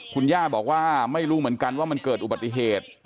คุณย่าบอกว่าไม่รู้เหมือนกันว่ามันเกิดอุบัติเหตุ